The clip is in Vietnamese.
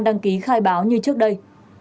đăng ký khai báo như trước đây